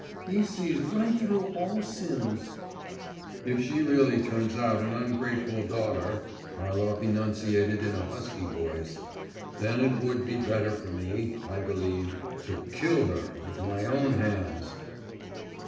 He sees right through all sins.' 'If she really turns out an ungrateful daughter,' Harlov enunciated in a husky voice, 'then it would be better for me, I believe, to kill her with my own hands!